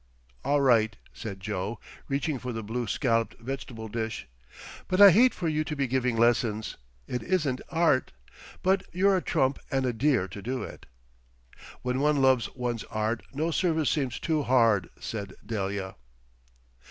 "All right," said Joe, reaching for the blue scalloped vegetable dish. "But I hate for you to be giving lessons. It isn't Art. But you're a trump and a dear to do it." "When one loves one's Art no service seems too hard," said Delia.